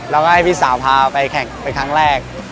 แล้วก็ให้พี่สาวพาไปแข่งเป็นครั้งแรก